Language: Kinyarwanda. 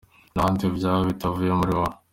Nta handi byava bitavuye muri wowe.